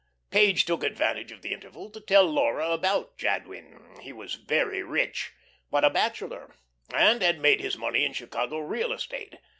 Page took advantage of the interval to tell Laura about Jadwin. He was very rich, but a bachelor, and had made his money in Chicago real estate.